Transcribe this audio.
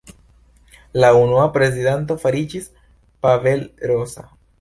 La unua prezidanto fariĝis Pavel Rosa.